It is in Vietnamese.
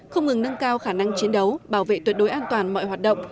không ngừng nâng cao khả năng chiến đấu bảo vệ tuyệt đối an toàn mọi hoạt động